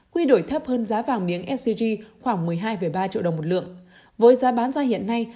quy đổi thấp hơn giá vàng miếng sgc khoảng một mươi hai ba triệu đồng một lượng với giá bán ra hiện nay